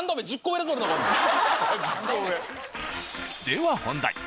では本題。